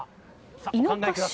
さあ、お考えください！